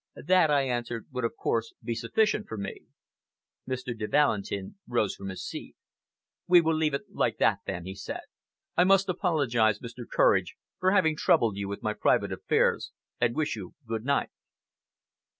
"That," I answered, "would, of course, be sufficient for me." Mr. de Valentin rose from his seat. "We will leave it like that then," he said. "I must apologize, Mr. Courage, for having troubled you with my private affairs, and wish you good night!"